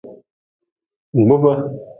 Kpub.